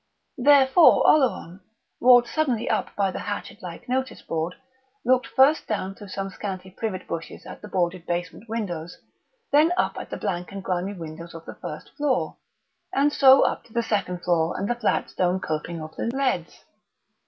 Therefore Oleron, brought suddenly up by the hatchet like notice board, looked first down through some scanty privet bushes at the boarded basement windows, then up at the blank and grimy windows of the first floor, and so up to the second floor and the flat stone coping of the leads.